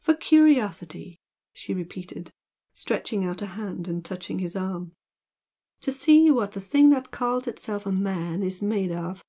"For curiosity!" she repeated, stretching out a hand and touching his arm "To see what the thing that calls itself a man is made of!